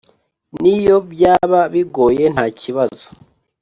Niyo byaba bigoye ntakibazo.